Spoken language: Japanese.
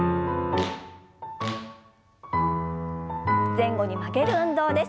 前後に曲げる運動です。